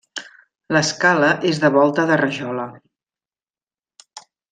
L'escala és de volta de rajola.